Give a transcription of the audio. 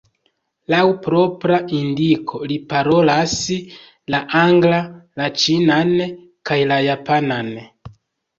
Laŭ propra indiko li parolas la anglan, la ĉinan kaj la japanan.